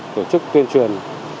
tổ chức tuyên truyền